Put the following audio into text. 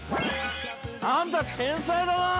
あんた、天才だなあ！